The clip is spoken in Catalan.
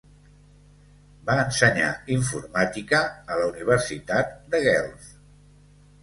Va ensenyar informàtica a la Universitat de Guelph.